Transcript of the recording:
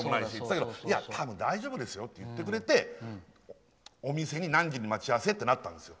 だけど、多分大丈夫ですよって言ってくれてお店に何時に待ち合わせってなったんですよ。